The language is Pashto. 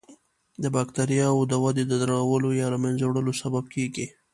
د بکټریاوو د ودې د درولو یا له منځه وړلو سبب کیږي.